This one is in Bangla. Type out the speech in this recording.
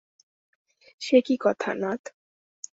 সে কী কথা নাথ।